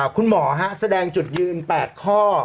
คุณหมอแสดงจุดยืน๘ข้อ